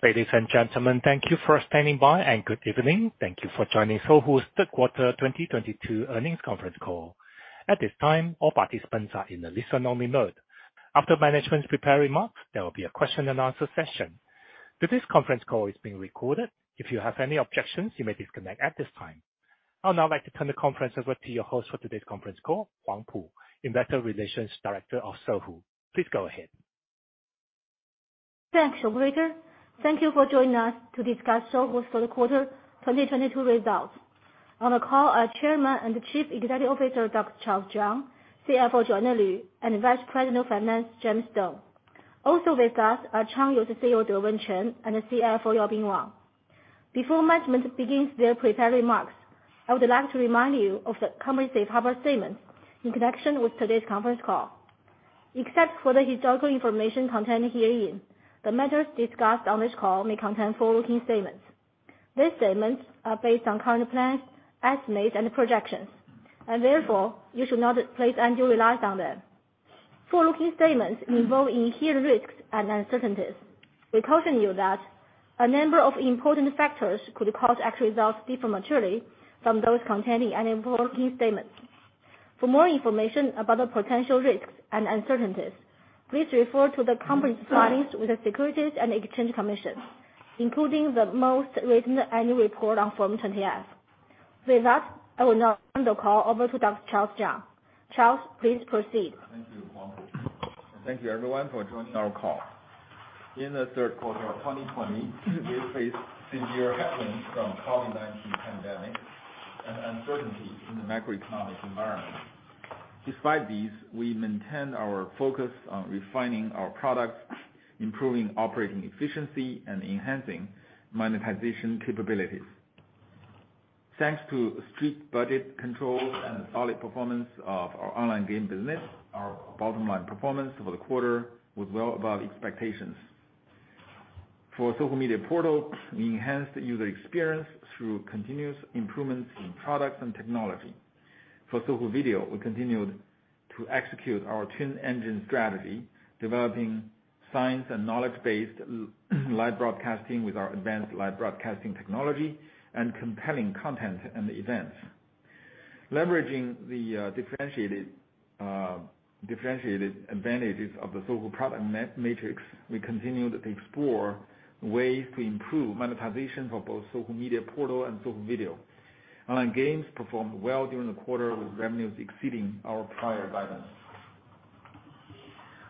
Ladies and gentlemen, thank you for standing by, and good evening. Thank you for joining Sohu's Third Quarter 2022 Earnings Conference Call. At this time, all participants are in a listen-only mode. After management's prepared remarks, there will be a question and answer session. Today's conference call is being recorded. If you have any objections, you may disconnect at this time. I'd like to turn the conference over to your host for today's conference call, Huang Pu, Investor Relations Director of Sohu. Please go ahead. Thanks, operator. Thank you for joining us to discuss Sohu's third quarter 2022 results. On the call are Chairman and Chief Executive Officer, Dr. Charles Zhang; CFO Joanna Lv; and Vice President of Finance, James Deng. Also with us are Changyou CEO, Dewen Chen, and CFO, Yaobin Wang. Before management begins their prepared remarks, I would like to remind you of the company's safe harbor statement in connection with today's conference call. Except for the historical information contained herein, the matters discussed on this call may contain forward-looking statements. These statements are based on current plans, estimates, and projections, and therefore you should not place undue reliance on them. Forward-looking statements involve inherent risks and uncertainties. We caution you that a number of important factors could cause actual results to differ materially from those contained in any forward-looking statements. For more information about the potential risks and uncertainties, please refer to the company's filings with the Securities and Exchange Commission, including the most recent annual report on Form 20-F. With that, I will now turn the call over to Dr. Charles Zhang. Charles, please proceed. Thank you, Huang Pu. Thank you everyone for joining our call. In the third quarter of 2020, we faced severe headwinds from COVID-19 pandemic and uncertainty in the macroeconomic environment. Despite these, we maintained our focus on refining our products, improving operating efficiency, and enhancing monetization capabilities. Thanks to strict budget controls and solid performance of our online game business, our bottom line performance over the quarter was well above expectations. For Sohu Media Portal, we enhanced user experience through continuous improvements in products and technology. For Sohu Video, we continued to execute our twin engine strategy, developing science and knowledge-based live broadcasting with our advanced live broadcasting technology and compelling content and events. Leveraging the differentiated advantages of the Sohu product matrix, we continued to explore ways to improve monetization for both Sohu Media Portal and Sohu Video. Online games performed well during the quarter with revenues exceeding our prior guidance.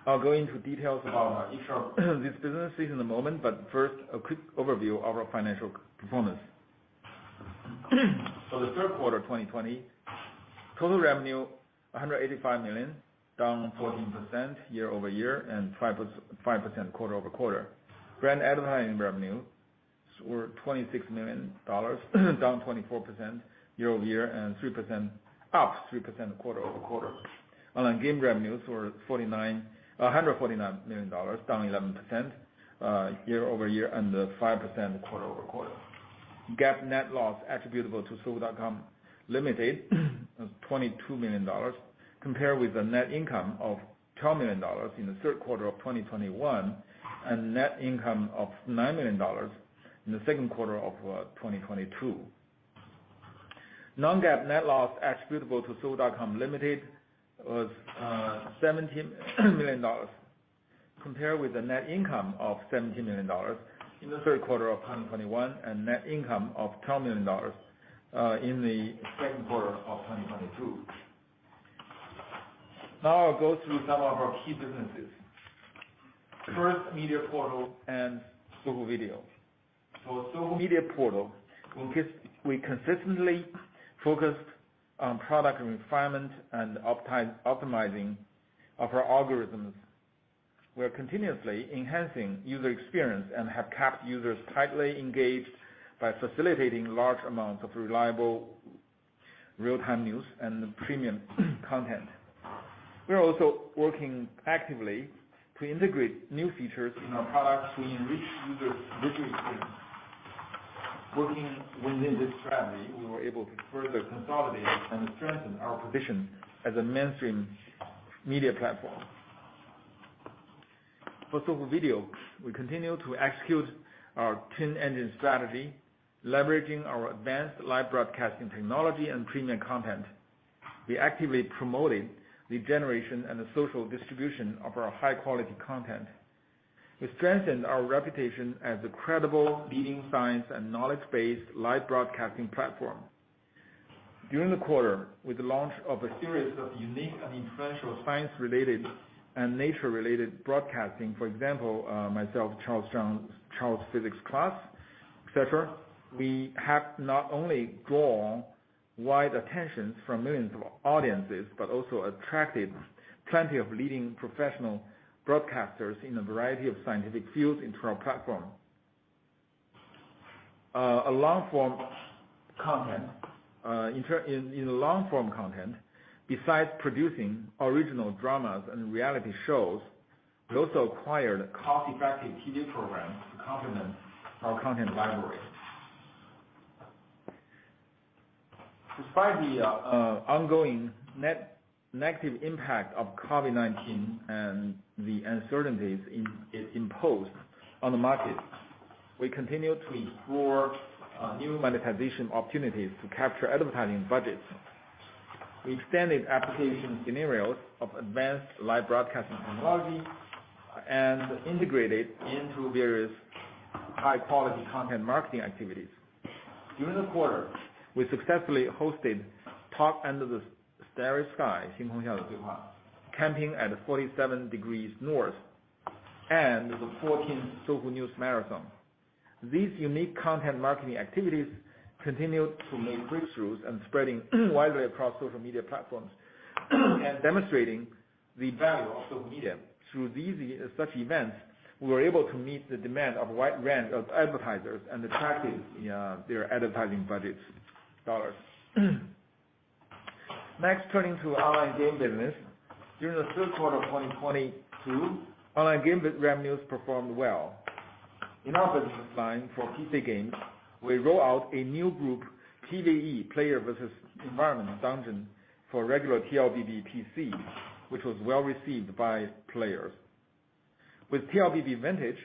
I'll go into details about each of these businesses in a moment, but first, a quick overview of our financial performance. For the third quarter 2020, total revenue $185 million, down 14% year-over-year, and 5% quarter-over-quarter. Brand advertising revenues were $26 million, down 24% year-over-year, and up 3% quarter-over-quarter. Online game revenues were a $149 million, down 11% year-over-year, and 5% quarter-over-quarter. GAAP net loss attributable to Sohu.com Limited was $22 million, compared with the net income of $12 million in the third quarter of 2021, and net income of $9 million in the second quarter of 2022. Non-GAAP net loss attributable to Sohu.com Limited was $17 million, compared with the net income of $17 million in the third quarter of 2021, and net income of $12 million in the second quarter of 2022. Now I'll go through some of our key businesses. First, Sohu Media Portal and Sohu Video. For Sohu Media Portal, we consistently focused on product refinement and optimizing of our algorithms. We are continuously enhancing user experience and have kept users tightly engaged by facilitating large amounts of reliable real-time news and premium content. We are also working actively to integrate new features in our products to enrich users' visual experience. Working within this strategy, we were able to further consolidate and strengthen our position as a mainstream media platform. For Sohu Video, we continue to execute our twin engine strategy, leveraging our advanced live broadcasting technology and premium content. We actively promoted the generation and the social distribution of our high-quality content. We strengthened our reputation as a credible leading science and knowledge-based live broadcasting platform. During the quarter, with the launch of a series of unique and influential science-related and nature-related broadcasts, for example, myself, Charles Zhang's Charles's Physics Class, et cetera, we have not only drawn wide attention from millions of audiences, but also attracted plenty of leading professional broadcasters in a variety of scientific fields into our platform. A long form content. In long-form content, besides producing original dramas and reality shows, we also acquired cost-effective TV programs to complement our content library. Despite the ongoing negative impact of COVID-19 and the uncertainties it imposed on the market, we continue to explore new monetization opportunities to capture advertising budgets. We extended application scenarios of advanced live broadcasting technology and integrated into various high-quality content marketing activities. During the quarter, we successfully hosted Talk Under the Starry Sky, Camping at Forty-seven Degrees North, and the 14th Sohu News Marathon. These unique content marketing activities continued to make breakthroughs and spreading widely across social media platforms and demonstrating the value of Sohu Media. Through these such events, we were able to meet the demand of a wide range of advertisers and attract their advertising budget dollars. Next, turning to online game business. During the third quarter of 2022, online game revenues performed well. In our business line for PC games, we roll out a new group, PVE, Player versus Environment dungeon, for regular TLBB PC, which was well-received by players. With TLBB Vintage,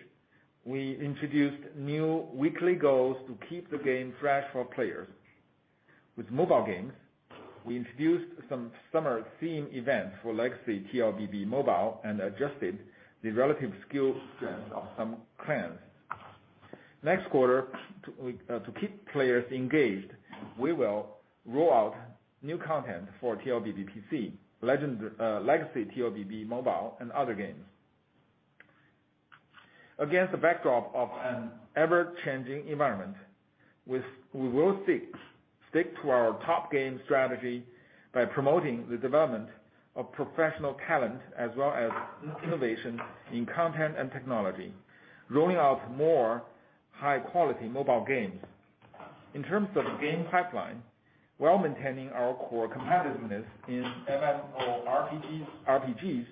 we introduced new weekly goals to keep the game fresh for players. With mobile games, we introduced some summer theme events for Legacy TLBB Mobile and adjusted the relative skill strength of some clans. Next quarter, to keep players engaged, we will roll out new content for TLBB PC, Legend, Legacy TLBB Mobile, and other games. Against the backdrop of an ever-changing environment, we will stick to our top game strategy by promoting the development of professional talent as well as innovation in content and technology, rolling out more high-quality mobile games. In terms of game pipeline, while maintaining our core competitiveness in MMO, RPGs,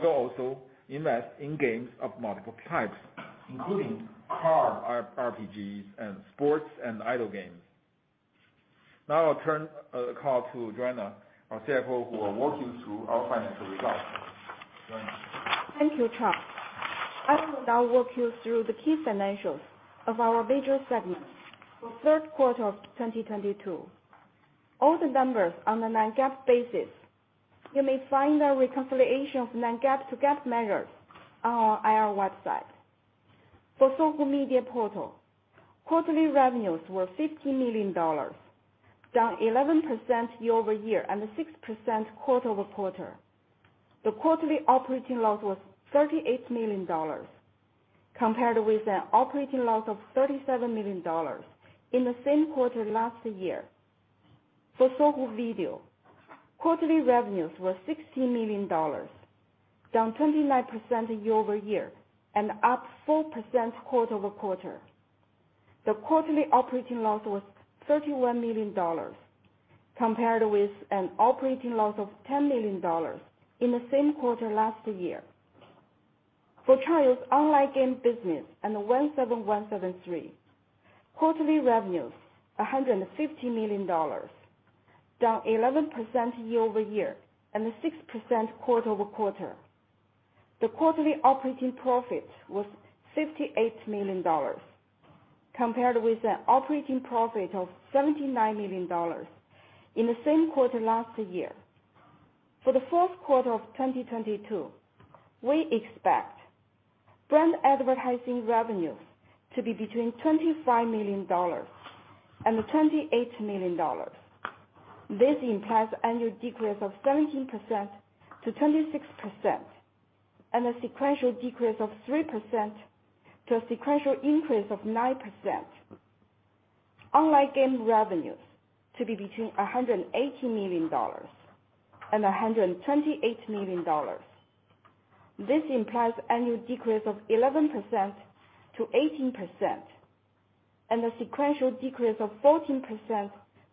we'll also invest in games of multiple types, including card RPGs and sports and idle games. Now I'll turn the call to Joanna, our CFO, who will walk you through our financial results. Joanna? Thank you, Charles. I will now walk you through the key financials of our major segments for third quarter of 2022. All the numbers are on a non-GAAP basis. You may find a reconciliation of non-GAAP to GAAP measures on our IR website. For Sohu Media Portal, quarterly revenues were $50 million, down 11% year-over-year and 6% quarter-over-quarter. The quarterly operating loss was $38 million, compared with an operating loss of $37 million in the same quarter last year. For Sohu Video, quarterly revenues were $60 million, down 29% year-over-year, and up 4% quarter-over-quarter. The quarterly operating loss was $31 million, compared with an operating loss of $10 million in the same quarter last year. For Charles, online game business and 17173, quarterly revenues $150 million, down 11% year-over-year, and 6% quarter-over-quarter. The quarterly operating profit was $58 million, compared with an operating profit of $79 million in the same quarter last year. For the fourth quarter of 2022, we expect brand advertising revenues to be between $25 million and $28 million. This implies annual decrease of 17% to 26% and a sequential decrease of 3% to a sequential increase of 9%. Online game revenues to be between $180 million and $128 million. This implies annual decrease of 11% to 18% and a sequential decrease of 14%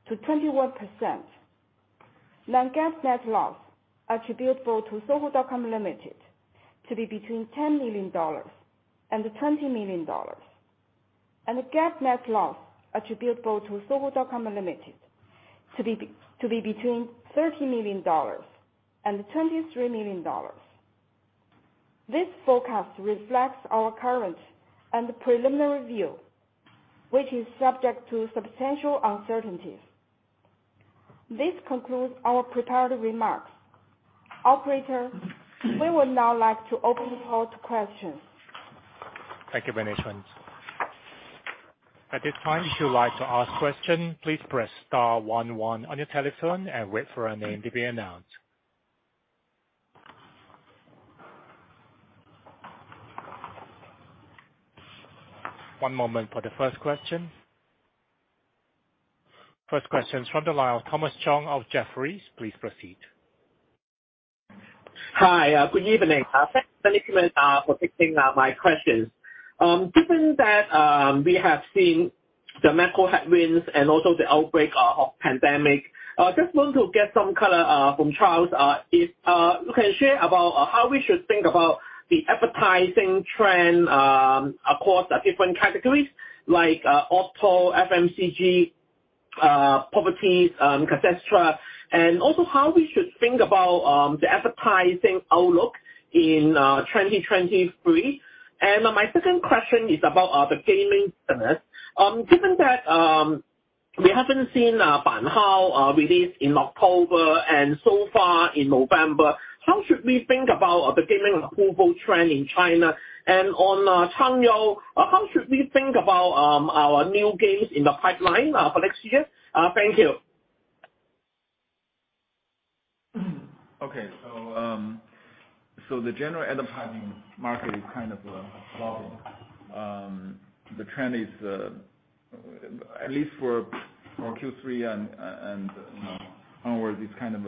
to 21%. Non-GAAP net loss attributable to Sohu.com Limited to be between $10 million and $20 million. GAAP net loss attributable to Sohu.com Limited to be between $30 million and $23 million. This forecast reflects our current and preliminary view, which is subject to substantial uncertainties. This concludes our prepared remarks. Operator, we would now like to open the floor to questions. Thank you very much. At this time, if you would like to ask question, please press star one one on your telephone and wait for your name to be announced. One moment for the first question. First question is from the line of Thomas Chong of Jefferies. Please proceed. Hi, good evening. Thanks management for taking my questions. Given that we have seen the macro headwinds and also the outbreak of pandemic, just want to get some color from Charles. If you can share about how we should think about the advertising trend across different categories, like auto, FMCG, properties, et cetera? Also how we should think about the advertising outlook in 2023. My second question is about the gaming business. Given that we haven't seen bǎn hào released in October and so far in November, how should we think about the gaming approval trend in China? On Changyou, how should we think about our new games in the pipeline for next year? Thank you. The general advertising market is kind of slowing. The trend is at least for Q3 and onwards. It's kind of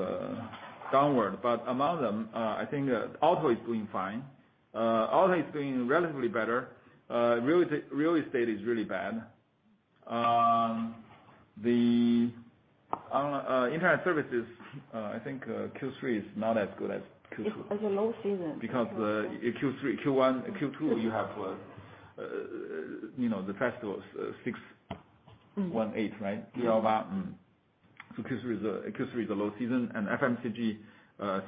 downward. Among them, I think Auto is doing fine. Auto is doing relatively better. Real estate is really bad. The internet services, I think, Q3 is not as good as Q2. It's a low season. Because, in Q3, Q1, Q2, you have, you know, the festivals, 618, right? Q3 is a low season, and FMCG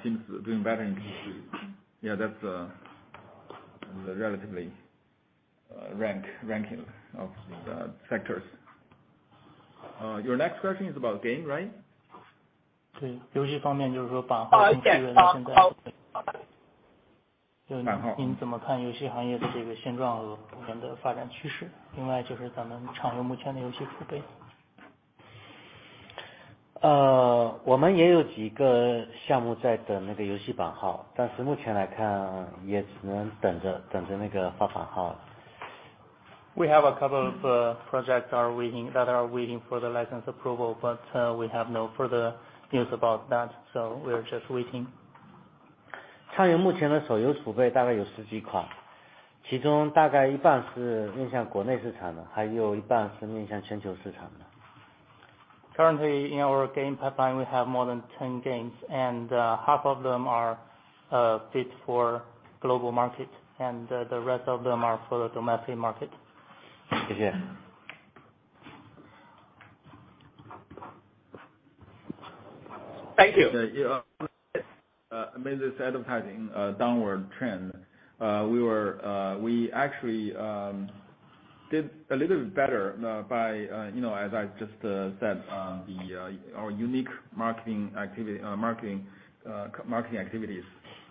seems doing better in Q3. Yeah, that's the relative ranking of the sectors. Your next question is about game, right? Yes. We have a couple of projects that are waiting for the license approval, but we have no further news about that, so we're just waiting. Currently, in our game pipeline, we have more than 10 games, and half of them are fit for global market, and the rest of them are for the domestic market. Thank you. Yeah, amidst this advertising downward trend, we actually did a little better by, you know, as I just said, our unique marketing activities,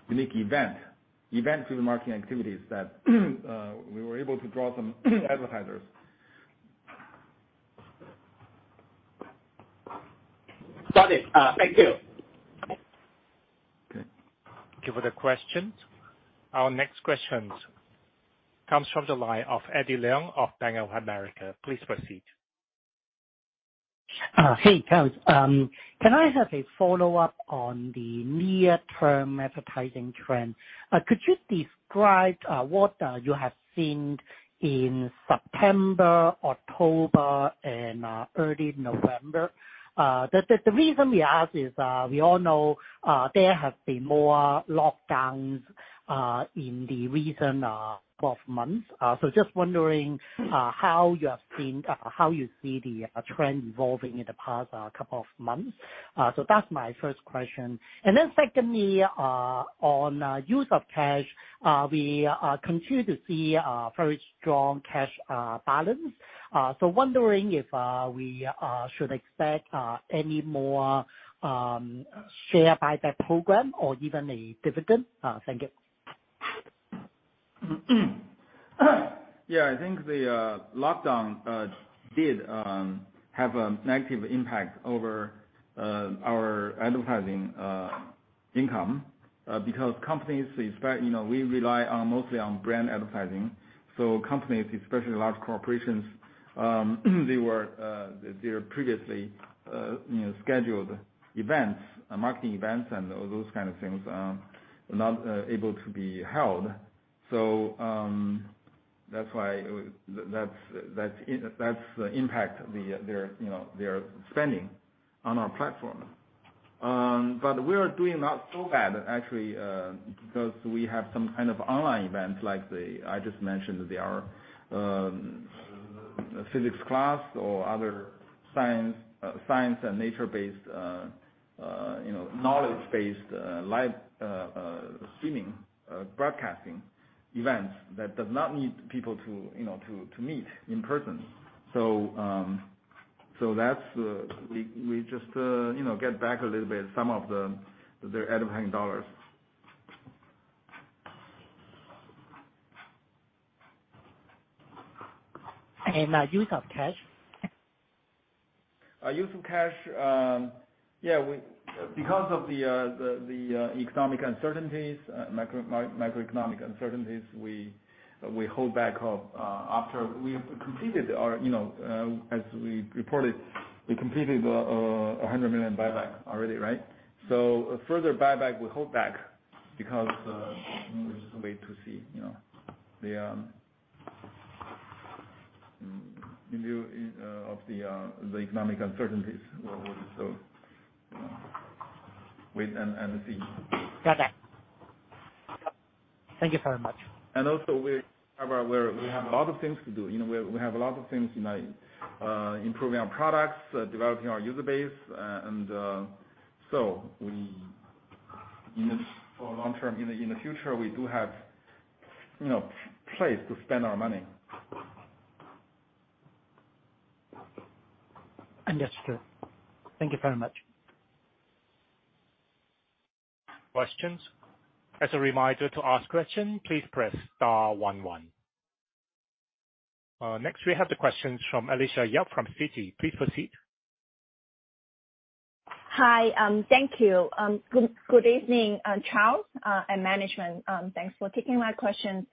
unique events to the marketing activities that we were able to draw some advertisers. Got it. Thank you. Okay. Thank you for the question. Our next question comes from the line of Eddie Leung of Bank of America. Please proceed. Hey, Charles. Can I have a follow-up on the near-term advertising trend? Could you describe what you have seen in September, October, and early November? The reason we ask is, we all know there have been more lockdowns in the recent 12 months. Just wondering how you see the trend evolving in the past couple of months. That's my first question. Secondly, on use of cash, we continue to see a very strong cash balance. Wondering if we should expect any more share buyback program or even a dividend. Thank you. Yeah. I think the lockdown did have a negative impact over our advertising income because companies, in fact, you know, we rely on mostly on brand advertising, so companies, especially large corporations, they were their previously you know scheduled events, marketing events and all those kind of things were not able to be held. That's why. That's the impact the their you know their spending on our platform. We are doing not so bad actually because we have some kind of online events like the I just mentioned the our physics class or other science and nature-based you know knowledge-based live streaming broadcasting events that does not need people to you know to meet in person. We just, you know, get back a little bit some of the advertising dollars. Use of cash? Use of cash. Because of the macroeconomic uncertainties, we hold back after we've completed our, you know, as we reported, we completed a $100 million buyback already, right? Further buyback, we hold back because we just wait to see, you know, in view of the economic uncertainties with an MNC. Got that. Thank you very much. We have a lot of things to do. You know, we have a lot of things in our improving our products, developing our user base. We use for long-term. In the future, we do have, you know, places to spend our money. Understood. Thank you very much. Questions. As a reminder, to ask question, please press star one one. Next we have the questions from Alicia Yap from Citi. Please proceed. Hi. Thank you. Good evening, Charles, and management. Thanks for taking my questions.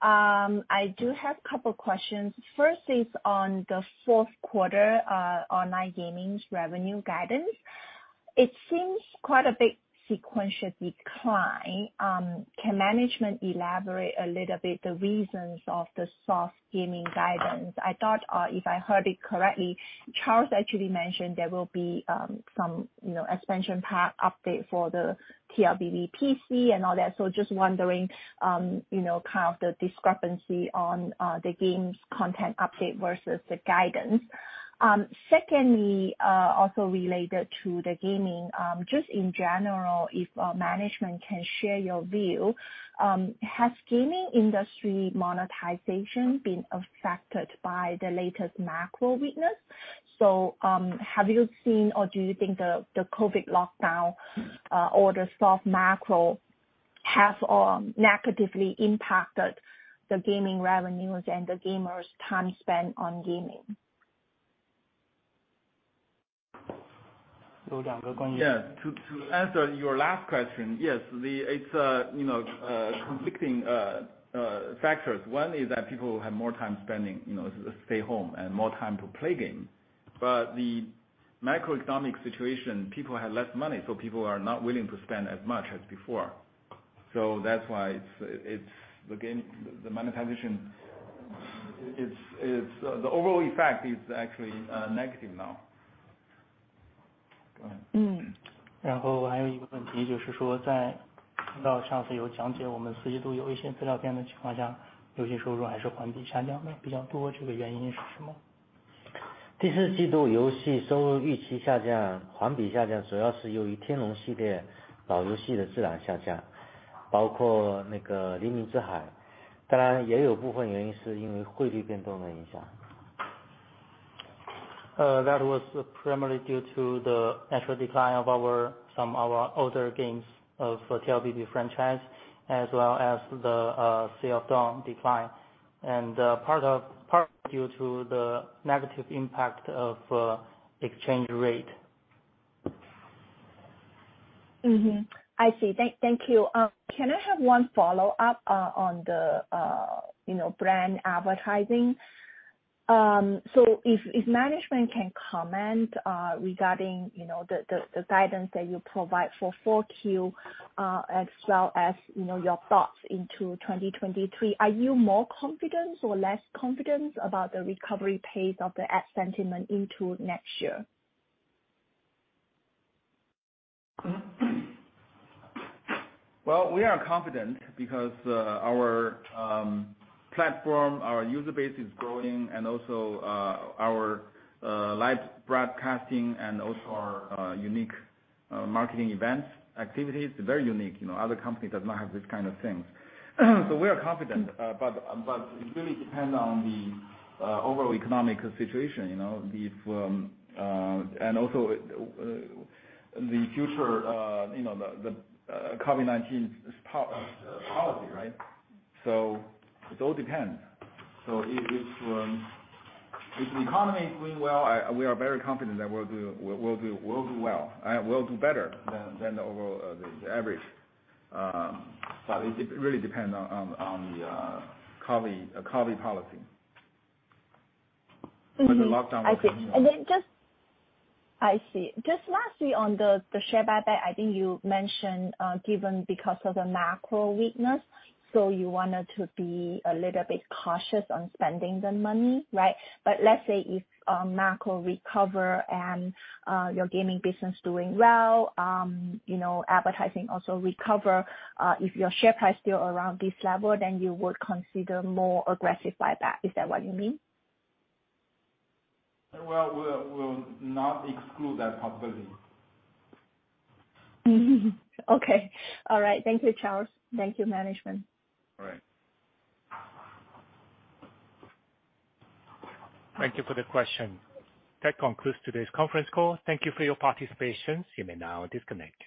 I do have a couple questions. First is on the fourth quarter online gaming's revenue guidance. It seems quite a bit sequential decline. Can management elaborate a little bit the reasons of the soft gaming guidance? I thought, if I heard it correctly, Charles actually mentioned there will be some, you know, expansion pack update for the TLBB PC and all that. Just wondering, you know, kind of the discrepancy on the game's content update versus the guidance. Secondly, also related to the gaming, just in general, if management can share your view, has gaming industry monetization been affected by the latest macro weakness? Have you seen or do you think the COVID lockdown or the soft macro have negatively impacted the gaming revenues and the gamers time spent on gaming? Yeah. To answer your last question, yes, it's, you know, conflicting factors. One is that people have more time spending, you know, stay home and more time to play game. The macroeconomic situation, people have less money, so people are not willing to spend as much as before. That's why it's the game, the monetization. The overall effect is actually negative now. Go ahead. That was primarily due to the natural decline of some of our older games for TLBB franchise, as well as the Sea of Dawn decline. Partly due to the negative impact of exchange rate. I see. Thank you. Can I have one follow-up on the you know, brand advertising? If management can comment regarding you know, the guidance that you provide for Q4, as well as you know, your thoughts into 2023. Are you more confident or less confident about the recovery pace of the ad sentiment into next year? Well, we are confident because our platform, our user base is growing and also our live broadcasting and also our unique marketing events activities, very unique, you know, other companies does not have this kind of things. We are confident, but it really depend on the overall economic situation, you know, the norm and also the future, you know, the COVID-19's policy, right? It all depends. If the economy is doing well, we are very confident that we'll do well. We'll do better than the overall average. It really depend on the COVID policy. With the lockdown... I see. Just lastly, on the share buyback, I think you mentioned, given because of the macro weakness, so you wanted to be a little bit cautious on spending the money, right? Let's say if macro recover and your gaming business is doing well, you know, advertising also recover, if your share price still around this level, then you would consider more aggressive buyback. Is that what you mean? Well, we'll not exclude that possibility. Okay. All right. Thank you, Charles. Thank you, management. All right. Thank you for the question. That concludes today's conference call. Thank you for your participation. You may now disconnect.